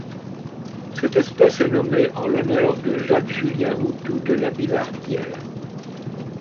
Cette espèce est nommée en l'honneur de Jacques-Julien Houtou de La Billardière.